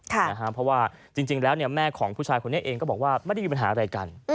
เพราะว่าจริงแล้วแม่ของผู้ชายคนนี้เองก็บอกว่าไม่ได้มีปัญหาอะไรกัน